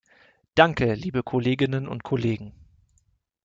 Danke, liebe Kolleginnen und Kollegen!